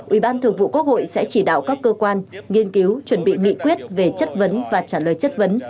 ủy ban thường vụ quốc hội sẽ chỉ đạo các cơ quan nghiên cứu chuẩn bị nghị quyết về chất vấn và trả lời chất vấn